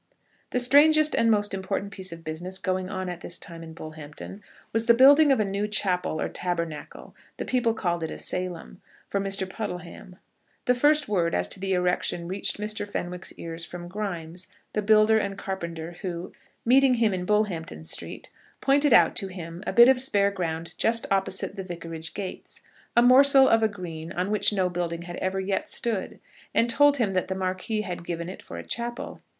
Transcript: The strangest and most important piece of business going on at this time in Bullhampton was the building of a new chapel or tabernacle, the people called it a Salem, for Mr. Puddleham. The first word as to the erection reached Mr. Fenwick's ears from Grimes, the builder and carpenter, who, meeting him in Bullhampton Street, pointed out to him a bit of spare ground just opposite the vicarage gates, a morsel of a green on which no building had ever yet stood, and told him that the Marquis had given it for a chapel.